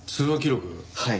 はい。